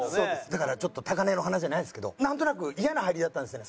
だからちょっと高嶺の花じゃないですけどなんとなく嫌な入りだったんですよね